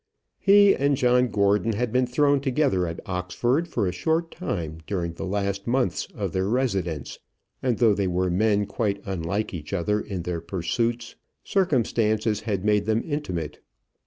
He and John Gordon had been thrown together at Oxford for a short time during the last months of their residence, and though they were men quite unlike each other in their pursuits, circumstances had made them intimate.